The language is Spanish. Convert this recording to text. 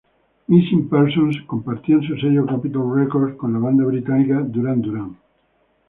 Missing Persons compartían su sello Capitol Records con la banda británica Duran Duran.